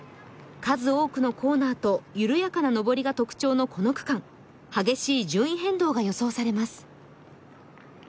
数多くのコーナーと緩やかな上りが特徴のこの区間、激しい順位変動が予想されます。